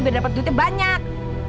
biar dapat duitnya banyak